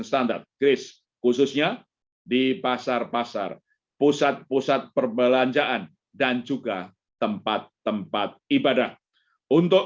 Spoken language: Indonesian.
standar grace khususnya di pasar pasar pusat pusat perbelanjaan dan juga tempat tempat ibadah untuk